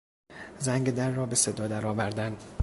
زنگ در را به صدا درآوردن